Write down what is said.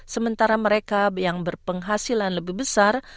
sementara mereka yang berpenghasilan lebih besar